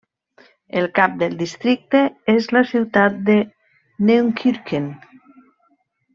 El cap del districte és la ciutat de Neunkirchen.